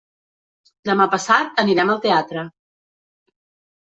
Demà passat anirem al teatre.